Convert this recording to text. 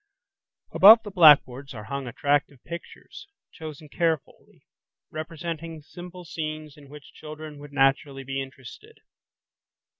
Above the blackboards are hung attractive pictures, chosen carefully, representing simple scenes in which children would naturally be interested.